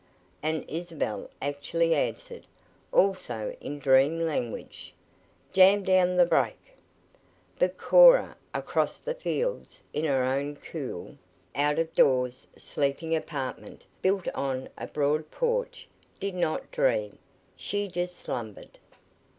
And Isabel actually answered, also in dream language: "Jam down the brake!" But Cora, across the fields, in her own cool, out of doors sleeping apartment, built on a broad porch, did not dream. She just slumbered.